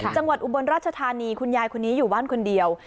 อุบลราชธานีคุณยายคนนี้อยู่บ้านคนเดียว